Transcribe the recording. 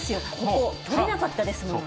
ここ取れなかったですもん。